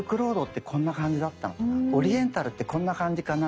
オリエンタルってこんな感じかな？